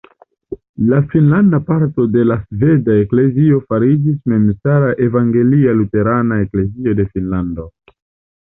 La finnlanda parto de la sveda eklezio fariĝis memstara Evangelia-Luterana Eklezio de Finnlando.